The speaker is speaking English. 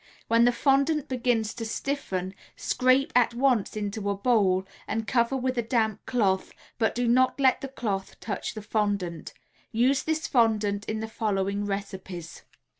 When the fondant begins to stiffen, scrape at once into a bowl and cover with a damp cloth, but do not let the cloth touch the fondant. Use this fondant in the following recipes.